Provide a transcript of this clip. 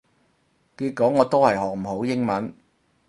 結果我都係學唔好英文